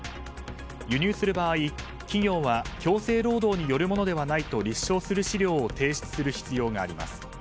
輸入する場合、企業は強制労働によるものではないと立証する資料を提出する必要があります。